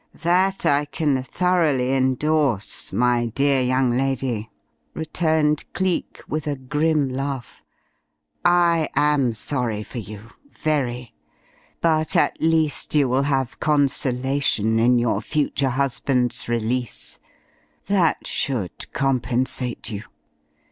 That I can thoroughly endorse, my dear young lady," returned Cleek with a grim laugh. "I am sorry for you very. But at least you will have consolation in your future husband's release. That should compensate you.